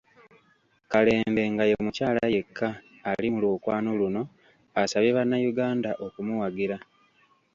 Kalembe nga ye mukyala yekka ali mu lwokaano luno, asabye bannayuganda okumuwagira.